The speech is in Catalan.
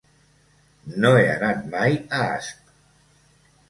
No he anat mai a Asp.